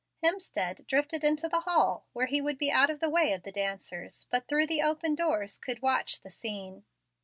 Hemstead drifted into the hall, where he would be out of the way of the dancers, but through the open doors could watch the scene.